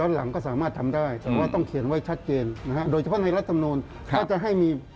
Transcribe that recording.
หากจะ